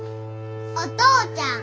お父ちゃん。